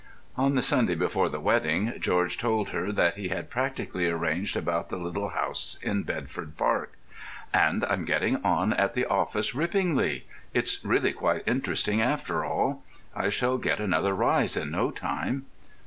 On the Sunday before the wedding George told her that he had practically arranged about the little house in Bedford Park. "And I'm getting on at the office rippingly. It's really quite interesting after all. I shall get another rise in no time."